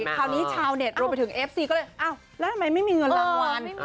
คราวนี้ชาวเน็ตรวมไปถึงเอฟซีก็เลยอ้าวแล้วทำไมไม่มีเงินรางวัล